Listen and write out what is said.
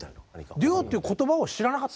デュオって言葉を知らなかった？